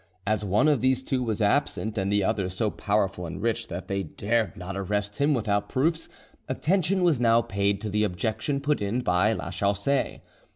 As one of these two was absent, and the other so powerful and rich that they dared not arrest him without proofs, attention was now paid to the objection put in by Lachaussee.